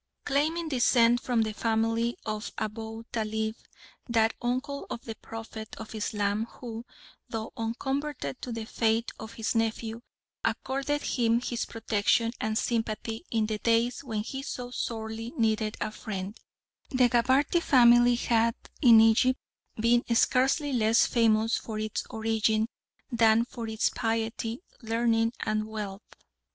Claiming descent from the family of Abou Talib, that uncle of the Prophet of Islam who, though unconverted to the faith of his nephew, accorded him his protection and sympathy in the days when he so sorely needed a friend, the Gabarty family had in Egypt been scarcely less famous for its origin than for its piety, learning, and wealth.